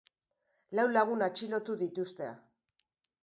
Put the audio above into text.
Lau lagun atxilotu dituzte.